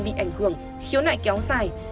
bị ảnh hưởng khiếu nại kéo sai